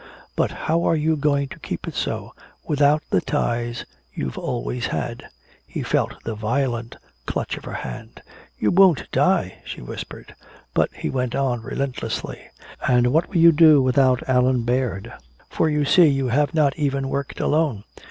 But how are you going to keep it so, without the ties you've always had?" He felt the violent clutch of her hand. "You won't die!" she whispered. But he went on relentlessly: "And what will you do without Allan Baird? For you see you have not even worked alone.